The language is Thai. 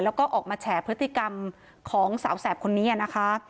แล้วก็ออกมาแฉพฤติกรรมของสาวแสบคนนี้นะคะ